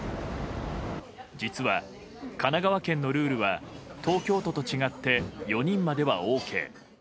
実は、神奈川県のルールは東京都と違って４人まではＯＫ。